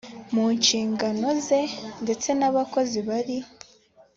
mu nshingano ze ndetse n abakozi bari